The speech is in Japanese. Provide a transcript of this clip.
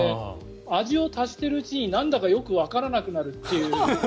味を足しているうちになんだかよくわからなくなるっていう。